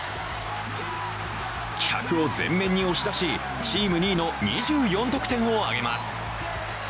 気迫を前面に押し出しチーム２位の２４得点を挙げます。